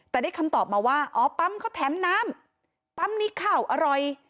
แต่ได้คำตอบมาว่าอ๋อปั๊มเขาแถมน้ำปั๊มนี้ข้าวอร่อย